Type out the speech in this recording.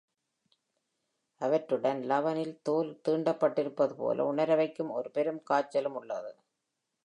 அவற்றுடன், Lavan-இன் தோல் தீண்டப்பட்டிருப்பதுபோல் உணரவைக்கும் ஒரு பெரும் காய்ச்சலும் உள்ளது.